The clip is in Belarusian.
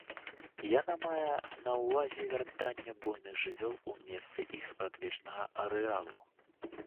Яна мае на ўвазе вяртанне буйных жывёл у месцы іх спрадвечнага арэалу.